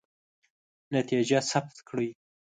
نتیجه ثبت کړئ.